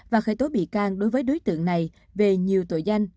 và khởi tố bị can đối với đối tượng này về nhiều tội danh